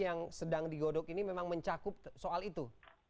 yang sedang digodok ini memang mencakup soal itu